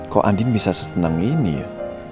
kok andin bisa sesenang ini ya